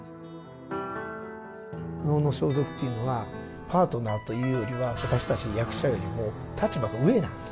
能の装束というのはパートナーというよりは私たち役者よりも立場が上なんです。